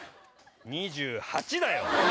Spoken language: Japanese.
２８だよ。